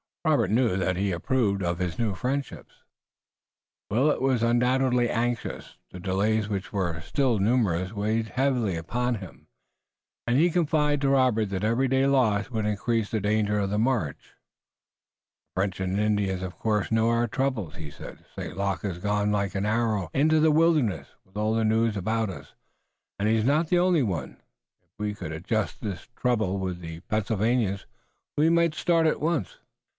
Robert knew that he approved of his new friendships. Willet was undoubtedly anxious. The delays which were still numerous weighed heavily upon him, and he confided to Robert that every day lost would increase the danger of the march. "The French and Indians of course know our troubles," he said. "St. Luc has gone like an arrow into the wilderness with all the news about us, and he's not the only one. If we could adjust this trouble with the Pennsylvanians we might start at once."